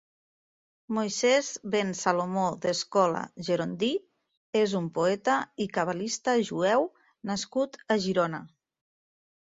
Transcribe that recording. Moisès ben Salomó d'Escola Gerondí és un poeta i cabalista jueu nascut a Girona.